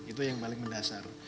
itu yang paling mendasar